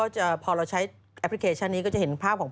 จะเท่าไทยรัฐจะเด้งเป็นภาพสามิติ